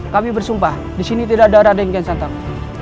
kami bersumpah disini tidak ada raden kian santang